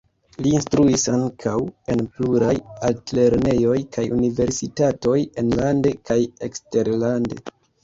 Li instruis ankaŭ en pluraj altlernejoj kaj universitatoj enlande kaj eksterlande.